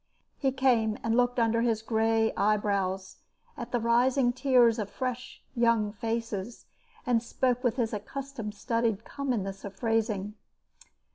He came and looked under his grey eyebrows at the rising tiers of young fresh faces, and spoke with his accustomed studied commonness of phrasing.